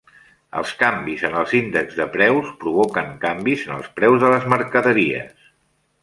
Els canvis en els índexs de preus provoquen canvis en els preus de les mercaderies.